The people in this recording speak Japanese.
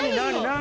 何？